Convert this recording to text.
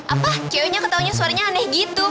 apa ceweknya ketauannya suaranya aneh gitu